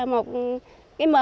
một cái mền